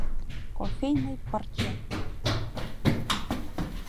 — Кофейный пырче!